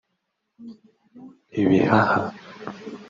ibihaha